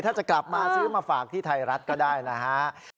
ถ้าจะกลับมาซื้อมาฝากที่ไทยรัฐก็ได้นะฮะ